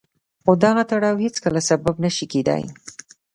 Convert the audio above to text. خو دغه تړاو هېڅکله سبب نه شي کېدای.